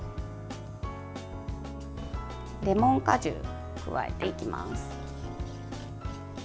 レモン果汁を加えていきます。